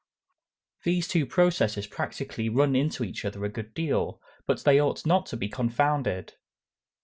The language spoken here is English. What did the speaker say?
These two processes practically run into each other a good deal, but they ought not to be confounded.